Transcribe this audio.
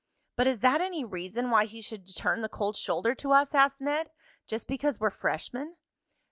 "But is that any reason why he should turn the cold shoulder to us?" asked Ned. "Just because we're freshmen?"